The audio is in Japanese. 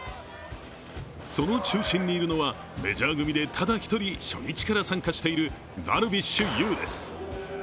その中心にいるのは、メジャー組でただ一人、初日から参加しているダルビッシュ有です。